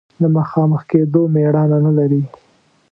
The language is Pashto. د مخامخ کېدو مېړانه نه لري.